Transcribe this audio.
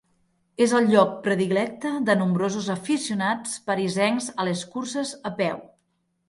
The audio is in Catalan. És el lloc predilecte de nombrosos aficionats parisencs a les curses a peu.